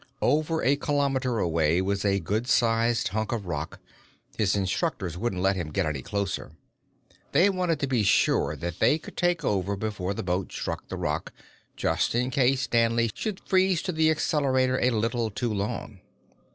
Over a kilometer away was a good sized hunk of rock; his instructors wouldn't let him get any closer. They wanted to be sure that they could take over before the boat struck the rock, just in case Danley should freeze to the accelerator a little too long.